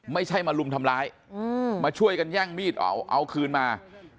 ไม่ใช่มาลุมทำร้ายมาช่วยกันแย่งมีดเอาเอาคืนมา